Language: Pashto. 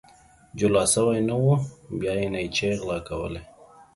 جولا سوى نه وو ، بيا يې نيچې غلا کولې.